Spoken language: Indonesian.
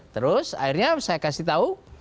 terus akhirnya saya kasih tahu